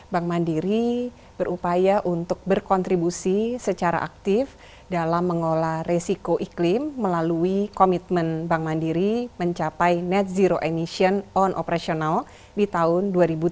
bank mandiri berupaya untuk berkontribusi secara aktif dalam mengolah resiko iklim melalui komitmen bank mandiri mencapai net zero emission on operational di tahun dua ribu tujuh belas